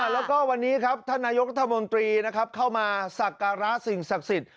แล้วก็วันนี้ครับท่านนายกรัฐมนตรีนะครับเข้ามาสักการะสิ่งศักดิ์สิทธิ